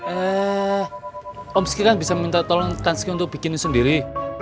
eh om sekitar bisa minta tolong tansky untuk bikin sendiri